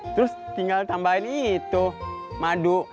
terus tinggal tambahin itu madu